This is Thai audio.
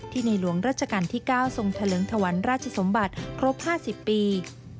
ที่ในหลวงรัชกาลที่๙ทรงทะเลิงทวรรภ์ราชสมบัติครบ๕๐ปี